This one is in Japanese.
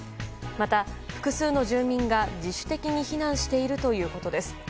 また、複数の住民が自主的に避難しているということです。